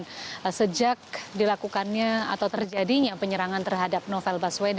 dan sejak dilakukannya atau terjadinya penyerangan terhadapnya